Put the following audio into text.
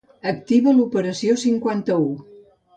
Activa l'operació cinquanta-u.